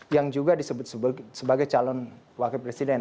yang juga disebut sebagai calon wakil presiden